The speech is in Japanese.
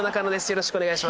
よろしくお願いします。